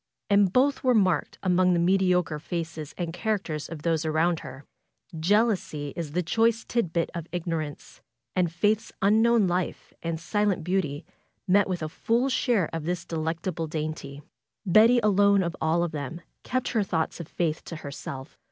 And both were marked among the mediocre faces and characters of those around her. Jealousy is the choice tit bit of ignorance. And Faith's unknown life and silent beauty met with a full share of this delectable dainty. Betty alone of them all kept her thoughts of Faith FAITH to herself.